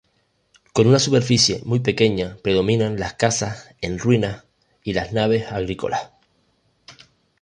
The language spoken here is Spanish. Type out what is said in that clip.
Con una superficie muy pequeña, predominan las casas en ruinas y las naves agrícolas.